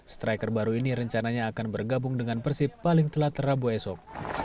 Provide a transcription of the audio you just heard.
striker baru ini rencananya akan bergabung dengan persib paling telat rabu esok